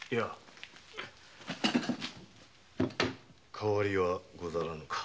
変わりはござらぬか。